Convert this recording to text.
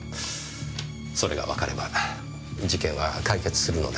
それがわかれば事件は解決するのですがねぇ。